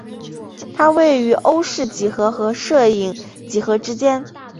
它位于欧氏几何和射影几何之间。